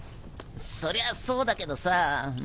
そりゃそうだけどさ。